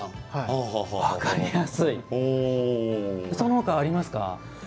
その他、ありますか？